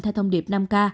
theo thông điệp năm k